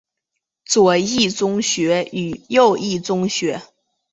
左翼宗学与右翼宗学。